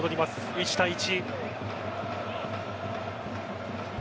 １対１。